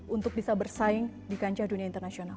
untuk bisa bersaing di kancah dunia internasional